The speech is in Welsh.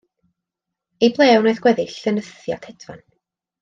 I ble wnaeth gweddill y nythaid hedfan?